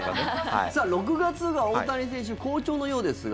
６月が大谷選手好調のようですが。